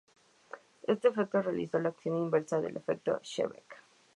Este efecto realiza la acción inversa al efecto Seebeck.